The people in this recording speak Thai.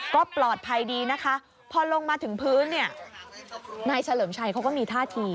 ก็ปลอดภัยดีนะคะพอลงมาถึงพื้นเนี่ยนายเฉลิมชัยเขาก็มีท่าที